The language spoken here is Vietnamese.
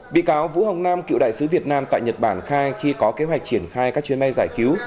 bị cáo vũ hồng nam cựu đại sứ việt nam tại nhật bản khai khi có kế hoạch triển khai các chuyến bay giải cứu